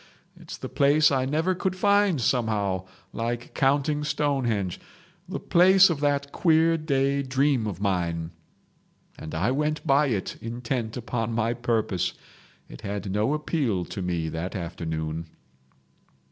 It's the place I never could find somehow—like counting Stonehenge—the place of that queer day dream of mine.' And I went by it intent upon my purpose. It had no appeal to me that afternoon.